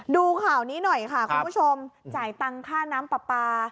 ดูข่าวนี้หน่อยค่ะคุณผู้ชมจ่ายตังค่าน้ำปลาปลา